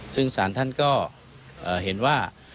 ซึ่งสารท่านก็เห็นว่า